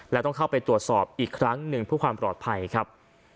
และต้องเข้าไปตรวจสอบอีกครั้งหนึ่งเพื่อความปลอดภัยครับ